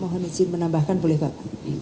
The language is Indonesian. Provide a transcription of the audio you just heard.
mohon izin menambahkan boleh pak